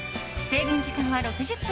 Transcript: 制限時間は６０分。